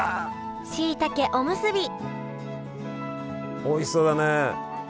しいたけおむすびおいしそうだね。